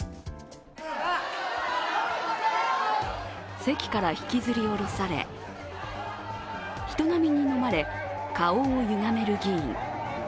席から引きずり下ろされ、人波にもまれ顔をゆがめる議員。